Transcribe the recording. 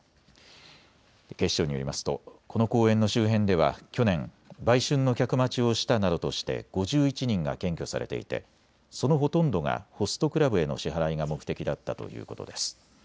警視庁によりますとこの公園の周辺では去年、売春の客待ちをしたなどとして５１人が検挙されていてそのほとんどがホストクラブへの支払いが目的だったということです。